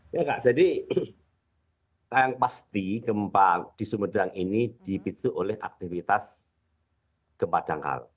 ya kak jadi yang pasti gempa di sumedang ini dipisuh oleh aktivitas gempa dangkal